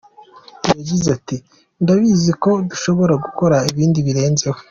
Yagize ati “Ndabizi ko dushobora gukora ibindi birenzeho.